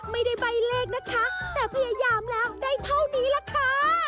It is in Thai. ไม่ได้ใบเลขนะคะแต่พยายามแล้วได้เท่านี้ล่ะค่ะ